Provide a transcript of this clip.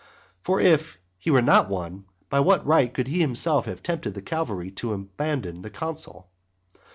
For if he were not one, by what right could he himself have tempted the cavalry to abandon the consul?